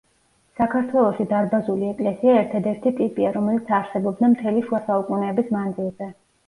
საქართველოში დარბაზული ეკლესია ერთადერთი ტიპია, რომელიც არსებობდა მთელი შუა საუკუნეების მანძილზე.